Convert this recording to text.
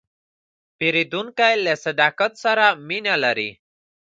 پیرودونکی له صداقت سره مینه لري.